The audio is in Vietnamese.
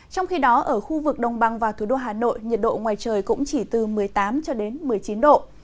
trong khi đó ở khu vực đồng bằng và thủ đô hà nội nhiệt độ ngoài trời cũng chỉ từ một mươi tám một mươi chín độ